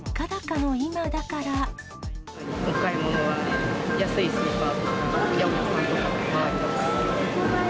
お買い物は、安いスーパーとか、八百屋さんとか、回ります。